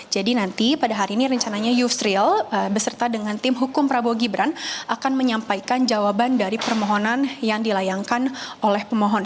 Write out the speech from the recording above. jadi nanti pada hari ini rencananya yusril beserta dengan tim hukum prabowo gibran akan menyampaikan jawaban dari permohonan yang dilayangkan oleh pemohon